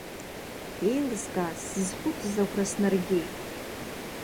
Еилыскааз, сзызхәыцыз агәра снаргеит.